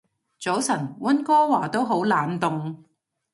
早晨，溫哥華都好冷凍